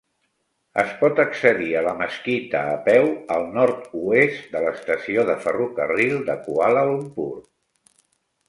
Es pot accedir a la mesquita a peu al nord-oest de l'estació de ferrocarril de Kuala Lumpur.